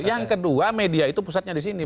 yang kedua media itu pusatnya di sini